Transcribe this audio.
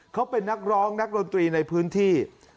เขาเป็นนักร้องนักดนตรีในพื้นที่